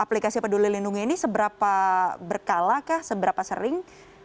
aplikasi peduli lindungi ini seberapa berkala kah seberapa sering